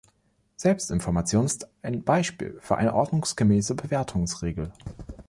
Selbstinformation ist ein Beispiel für eine ordnungsgemäße Bewertungsregel.